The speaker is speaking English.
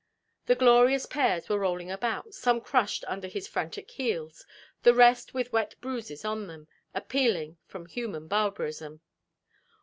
The glorious pears were rolling about, some crushed under his frantic heels, the rest with wet bruises on them, appealing from human barbarism.